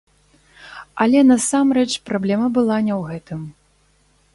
Але насамрэч праблема была не ў гэтым.